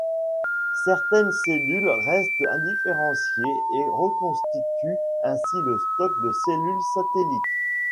Certaines cellules restent indifférenciées et reconstituent ainsi le stock de cellules satellites.